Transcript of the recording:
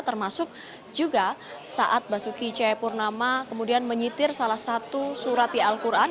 termasuk juga saat basuki cepurnama kemudian menyitir salah satu surat di al quran